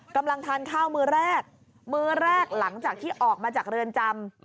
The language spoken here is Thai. กำลังทานข้าวมื้อแรกมื้อแรกหลังจากที่ออกมาจากเรือนจำ